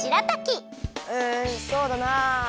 うんそうだな。